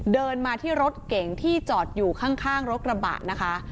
เดินมาที่รถเก่งที่จอดอยู่ข้างรถกระบะนะคะ